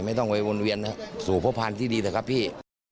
ไม่ต้องไปวนเวียนสู่พ่อพันธ์ที่ดีนะครับพี่